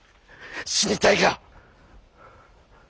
死にたいか！